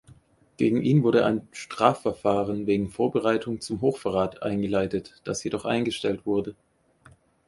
Gegen ihn wurde ein Strafverfahren wegen „Vorbereitung zum Hochverrat“ eingeleitet, das jedoch eingestellt wurde.